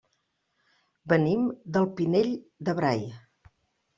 Venim del Pinell de Brai.